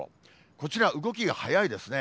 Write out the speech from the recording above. こちら、動きが速いですね。